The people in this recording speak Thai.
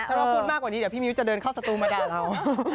ถ้าเราพูดมากกว่านี้เดี๋ยวพี่มิ้วจะเดินเข้าสตูมาด่าเรา